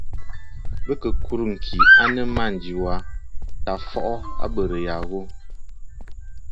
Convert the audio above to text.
Bɨ kɨ kùrə̂ ŋ̀kì a nɨ mânjì was tǎ fɔʼɔ abərə ya ghu.